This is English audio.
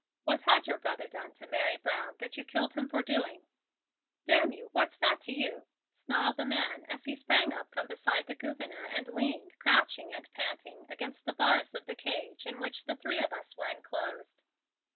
"What had your brother done to Mary Brown that you killed him for doing?" "Damn you, what's that to you?" snarled the man as he sprang up from beside the Gouverneur and leaned, crouched and panting, against the bars of the cage in which the three of us were inclosed.